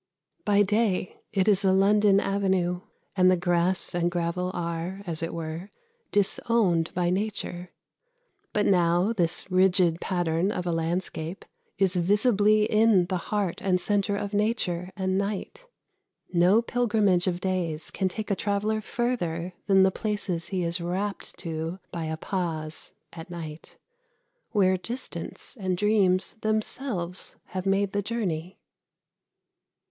By day it is a London avenue, and the grass and gravel are, as it were, disowned by Nature; but now this rigid pattern of a landscape is visibly in the heart and centre of Nature and Night. No pilgrimage of days can take a traveller further than the places he is rapt to by a pause, at night, where distance and dreams themselves have made the journey.